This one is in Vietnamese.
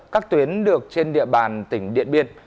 các tuyến được trên địa bàn tỉnh điện biên